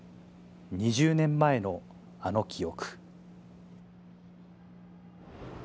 ２０年前のあの記憶。